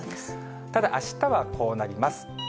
ただ、あしたはこうなります。